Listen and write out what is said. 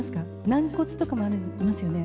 軟骨とかもありますよね？